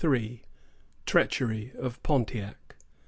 1763. TREACHERY OF PONTIAC.